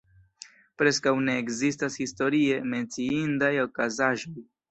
Preskaŭ ne ekzistas historie menciindaj okazaĵoj.